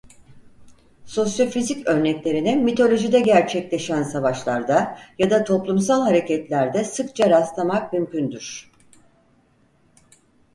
Sosyofizik örneklerine mitolojide gerçekleşen savaşlarda ya da toplumsal hareketlerde sıkça rastlamak mümkündür.